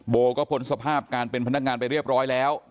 โบก็พ้นสภาพการเป็นพนักงานไปเรียบร้อยแล้ว